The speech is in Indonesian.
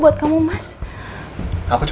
mas ini udah selesai